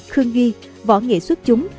khương nghi võ nghệ xuất chúng